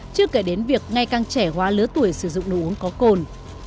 chứ kể đến việc ngay càng trẻ hóa lứa tuổi sử dụng nội uống có cồn